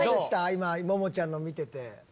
今ももちゃんの見てて。